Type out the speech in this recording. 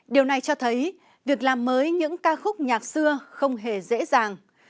điều này cho thấy việc làm mới những ca khúc nhạc xưa không hề dễ dàng